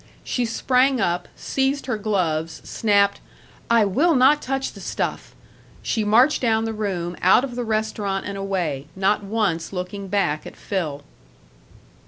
She sprang up, seized her gloves, snapped, "I will not touch the stuff." She marched down the room, out of the restaurant and away, not once looking back at Phil.